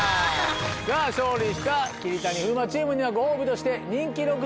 勝利した桐谷・風磨チームにはご褒美として。